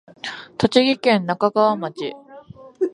栃木県那珂川町